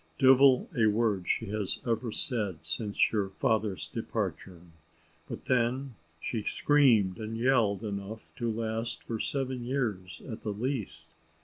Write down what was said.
Divil a word has she ever said since your father's departure, but then she screamed and yelled enough to last for seven years at the least.